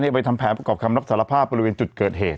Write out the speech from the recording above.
ไปทำแผนประกอบคำรับสารภาพบริเวณจุดเกิดเหตุ